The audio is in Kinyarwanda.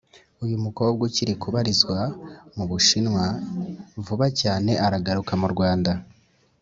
uyu mukobwa ukiri kubarizwa mu bushinwa vuba cyane aragaruka mu rwanda